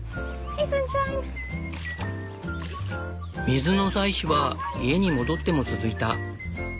水の採取は家に戻っても続いた。